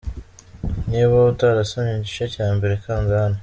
Niba utarasomye igice cya mbere kanda hano.